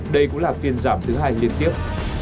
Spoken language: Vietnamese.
đây cũng là phiên giảm thứ hai liên tiếp